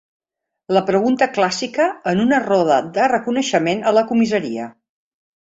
La pregunta clàssica en una roda de reconeixement a la comissaria.